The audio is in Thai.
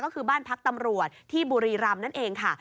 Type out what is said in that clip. ก็คือบ้านพักตำรวจที่บุรีรำนั่นเองค่ะ